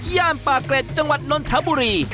ย่านปากเกร็ดจังหวัดนนทบุรี